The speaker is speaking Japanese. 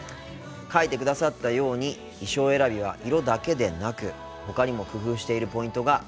書いてくださったように衣装選びは色だけでなくほかにも工夫しているポイントがあるんですよ。